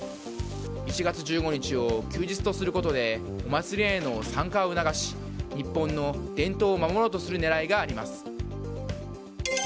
１月１５日を休日とすることでお祭りへの参加を促し日本の伝統を守ろうとする狙いがあります。